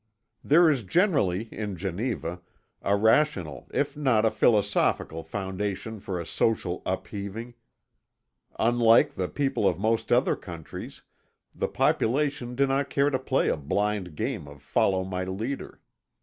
There is generally in Geneva a rational if not a philosophic foundation for a social upheaving; unlike the people of most other countries, the population do not care to play a blind game of follow my leader.